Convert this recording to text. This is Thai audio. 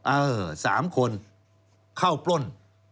๓เออ๓คนเข้าปล้น